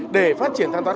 để phát triển thanh toán